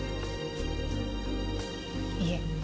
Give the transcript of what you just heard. いえ。